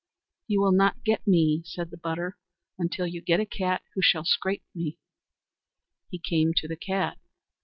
"You will not get me," said the butter, "until you get a cat who shall scrape me." He came to the cat.